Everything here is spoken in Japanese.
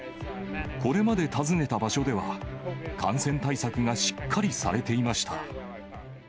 これまで訪ねた場所では、感染対策がしっかりされていました。